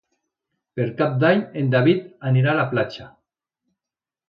Per Cap d'Any en David anirà a la platja.